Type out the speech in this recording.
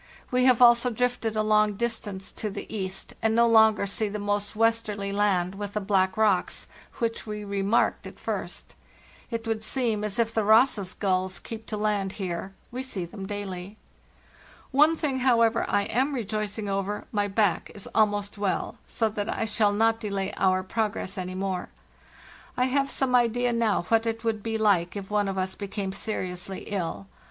We have also drifted a long distance to the east, and no longer see the most westerly land with the black rocks, which we remarked at first. It would seem as if the Ross's gulls keep to land here; we see them daily. "One thing, however, I am rejoicing over; my back is almost well, so that I shall not delay our progress any more. I have some idea now what it would be like if one of us became seriously ill.